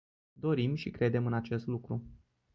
Dorim și credem în acest lucru.